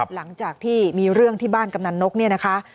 หลังจากที่มีเรื่องที่บ้านกำนันนกเนี่ยนะคะ